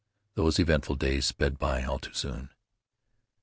Those eventful days sped by all too soon.